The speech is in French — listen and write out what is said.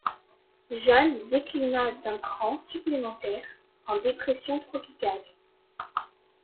Jeanne déclina d'un cran supplémentaire, en dépression tropicale.